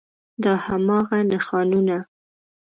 دا هماغه نښانونه